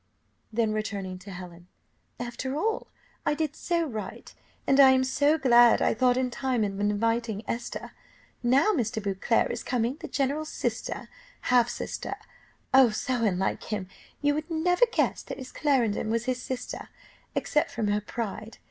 '" Then returning to Helen "After all, I did so right, and I am so glad I thought in time of inviting Esther, now Mr. Beauclerc is coming the general's sister half sister. Oh, so unlike him! you would never guess that Miss Clarendon was his sister, except from her pride.